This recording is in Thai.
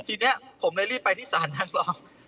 ทีนี้ผมเลยรีบไปที่ศาลนางรอง